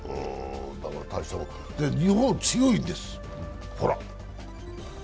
日本、強いんです、ほら。